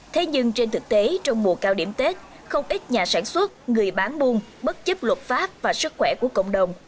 thế nhưng trên thực tế trong mùa cao điểm tết không ít nhà sản xuất người bán buôn bất chấp luật pháp và sức khỏe của cộng đồng